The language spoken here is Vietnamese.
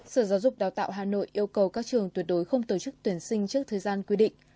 sở giáo dục đào tạo hà nội yêu cầu các trường tuyệt đối không tổ chức tuyển sinh trước thời gian quy định